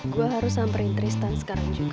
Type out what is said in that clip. gue harus samperin tristan sekarang juga